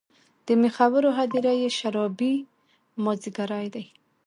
د میخورو هـــــدیره یې شــــــرابي مــــاځیګری دی